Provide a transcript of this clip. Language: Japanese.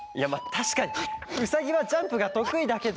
たしかにウサギはジャンプがとくいだけど。